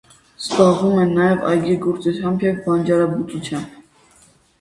Զբաղվում են նաև այգեգործությամբ և բանջարաբուծությամբ։